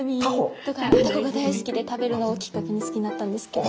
⁉たこが大好きで食べるのをきっかけに好きになったんですけど。